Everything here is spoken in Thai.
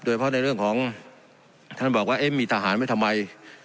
เพราะในเรื่องของท่านบอกว่าเอ๊ะมีทหารไว้ทำไม